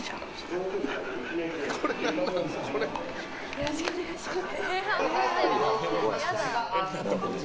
よろしくお願いします。